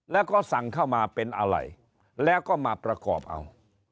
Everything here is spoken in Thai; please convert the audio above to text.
แล้วก็สั่งเข้ามาเป็นอะไรแล้วก็มาประกอบเอา